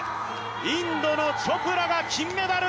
インドのチョプラが金メダル。